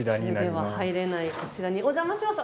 普通では入れないこちらにお邪魔します。